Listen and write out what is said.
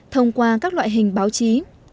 thông qua các loại hình báo chí